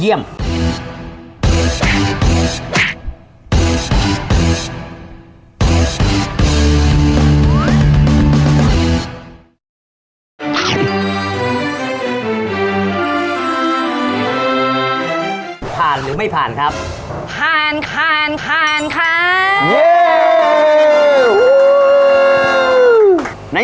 เจ้าคุณสุดสบายช่วยอะไร